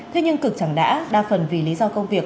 thế nhưng cực chẳng đã đa phần vì lý do công việc